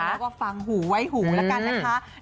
แล้วก็ฟังหูไว้หูแล้วกันนะคะ